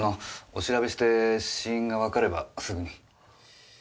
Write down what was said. お調べして死因がわかればすぐに。